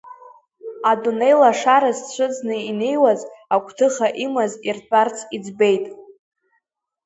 Адунеи лашара зцәыӡны инеиуаз, Агәҭыха имаз иртәарц иӡбеит.